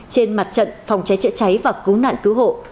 trên mặt trận phòng cháy chữa cháy và cứu nạn cứu hộ